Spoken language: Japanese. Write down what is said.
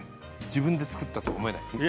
自分で作ったとは思えない。